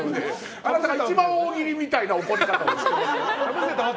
あなた、一番大喜利みたいな怒り方ですよ。